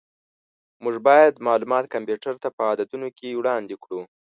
موږ باید معلومات کمپیوټر ته په عددونو کې وړاندې کړو.